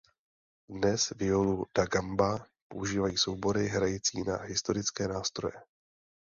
Dnes violu da gamba používají soubory hrající na historické nástroje.